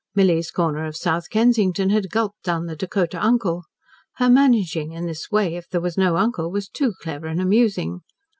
Milly's corner of South Kensington had gulped down the Dakota uncle. Her managing in this way, if there was no uncle, was too clever and amusing.